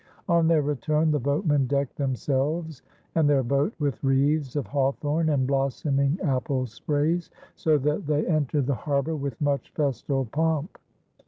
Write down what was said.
On their return the boatmen decked themselves and their boat with wreaths of hawthorn and blossoming apple sprays, so that they entered the harbour with much festal pomp.